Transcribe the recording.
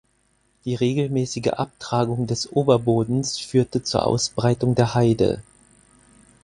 Die regelmäßige Abtragung des Oberbodens führte zur Ausbreitung der Heide.